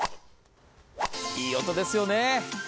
いい音ですよね。